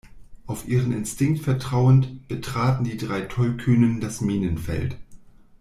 Auf ihren Instinkt vertrauend betraten die drei Tollkühnen das Minenfeld.